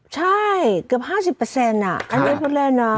ใช่เกือบ๕๐อันนี้พูดเล่นนะ